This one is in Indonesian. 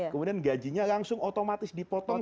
kemudian gajinya langsung otomatis dipotong